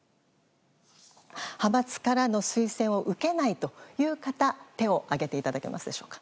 派閥からの推薦を受けないという方、手を挙げていただけますでしょうか。